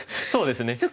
そうですね。